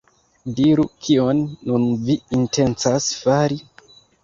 Diru, kion nun vi intencas fari?